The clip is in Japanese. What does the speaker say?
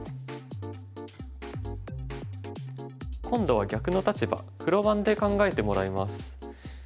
今度は逆の立場黒番で考えてもらいます。